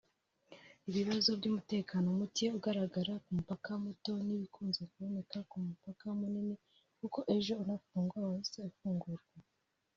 Ibibazo by’umutekano mucye ugaragara ku mupaka muto ntibikunze kuboneka ku mupaka munini kuko ejo unafungwa wahise ufungurwa